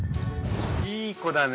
いい子だね。